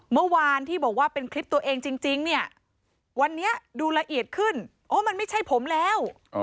เมื่อวานที่บอกว่าเป็นคลิปตัวเองจริงเนี่ยวันนี้ดูละเอียดขึ้นโอ้มันไม่ใช่ผมแล้ว